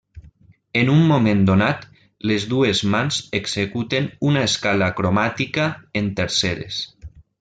En un moment donat, les dues mans executen una escala cromàtica en terceres.